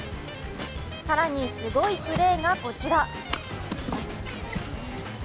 更に、すごいプレーがこちら。